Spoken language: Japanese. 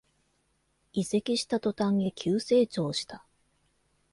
移籍した途端に急成長した